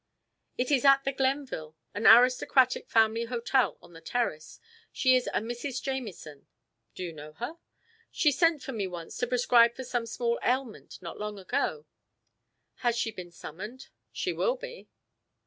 "It is at the Glenville, an aristocratic family hotel on the terrace. She is a Mrs. Jamieson." "Do you know her?" "She sent for me once to prescribe for some small ailment not long ago." "Has she been summoned?" "She will be."